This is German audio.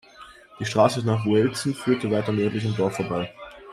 Die Straße nach Uelzen führte weiter nördlich am Dorf vorbei.